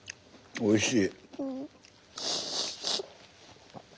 おいしい。